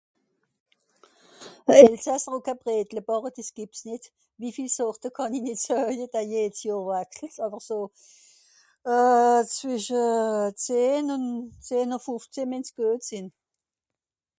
(...) Bredle bàche dìs gìbbts nìt. Wie viel Sorte kànn i nìt soeje, da jeds Johr (...) àwer so... euh... zwìsche zehn... zehn ùn fùfzehn mìen's guet sìnn.